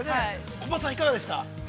コバさん、いかがでしたか。